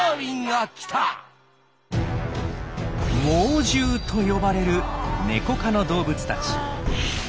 「猛獣」と呼ばれるネコ科の動物たち。